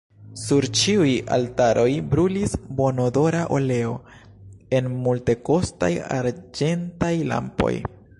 Sur ĉiuj altaroj brulis bonodora oleo en multekostaj arĝentaj lampoj.